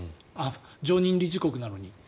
常任理事国なのに。